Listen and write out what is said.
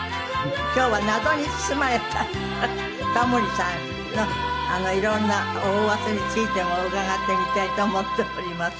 今日は謎に包まれたタモリさんの色んなおうわさについても伺ってみたいと思っております。